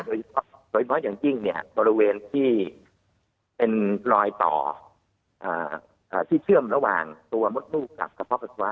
โดยเฉพาะอย่างยิ่งเนี่ยบริเวณที่เป็นรอยต่อที่เชื่อมระหว่างตัวมดลูกกับกระเพาะไฟฟ้า